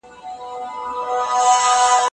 غمجن او متعصب انسان تل په ټولنه کي کرکه او غم وېشي.